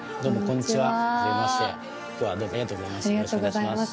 今日はありがとうございます。